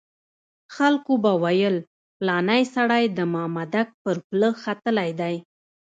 خلکو به ویل پلانی سړی د مامدک پر پله ختلی دی.